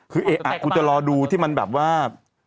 คือเอ๊ะคุณจะรอดูที่มันแบบว่า